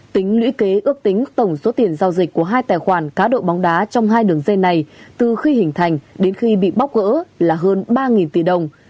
tính lũy kế ước tính tổng số tiền giao dịch của hai tài khoản cá độ bóng đá trong hai đường dây này từ khi hình thành đến khi bị bóc gỡ là hơn ba tỷ đồng